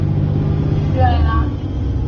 屈埃拉。